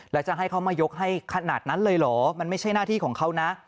แล้วจะให้เขามายกให้ขนาดนั้นเลยเหรอมันไม่ใช่หน้าที่ของเขานะ